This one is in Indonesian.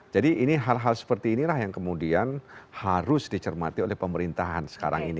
jadi ini hal hal seperti inilah yang kemudian harus dicermati oleh pemerintahan sekarang ini